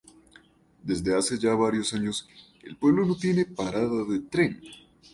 Desde hace ya varios años, el pueblo no tiene parada de tren.